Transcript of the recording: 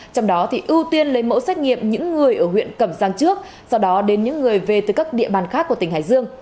trong đó ưu tiên lấy mẫu xét nghiệm những người ở huyện cẩm giang trước sau đó đến những người về từ các địa bàn khác của tỉnh hải dương